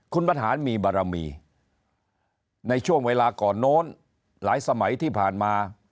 คุณบรรหารมีบารมีในช่วงเวลาก่อนโน้นหลายสมัยที่ผ่านมา